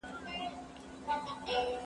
څوک د کارګرانو خوندیتوب تضمینوي؟